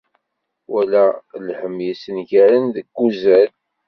Wala lhemm yessengaren deg uzal.